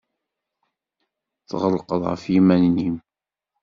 Tɣelqed ɣef yiman-nnem.